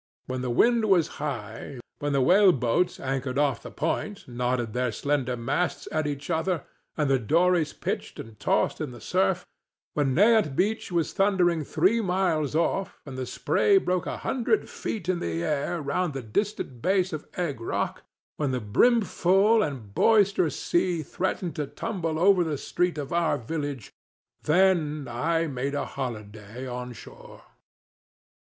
When the wind was high, when the whale boats anchored off the Point nodded their slender masts at each other and the dories pitched and tossed in the surf, when Nahant Beach was thundering three miles off and the spray broke a hundred feet in the air round the distant base of Egg Rock, when the brimful and boisterous sea threatened to tumble over the street of our village,—then I made a holiday on shore.